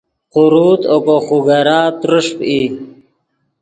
قوروت اوگو خوگرا ترݰپ ای